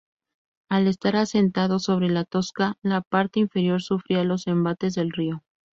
Al estar asentado sobre la tosca la parte inferior sufría los embates del río.